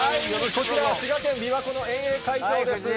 こちら、滋賀県びわ湖の遠泳会場です。